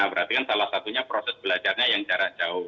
berarti kan salah satunya proses belajarnya yang jarak jauh